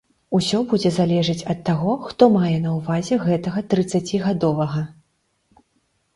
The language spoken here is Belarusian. Усё будзе залежыць ад таго, хто мае на ўвазе гэтага трыццацігадовага.